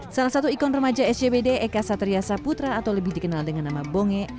salah satu ikon remaja sjbd eka satria saputra atau lebih dikenal dengan nama bonge